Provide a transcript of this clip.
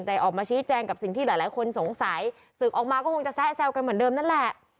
แต่ออกมาชี้แจงกับสิ่งที่หลายคนสงสัยศึกออกมาก็คงจะแซะแซวกันเหมือนเดิมนั่นแหละ